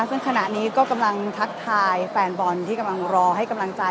ซึ่งขณะนี้ก็กำลังทักทายแฟนบอลที่กำลังรอให้กำลังใจ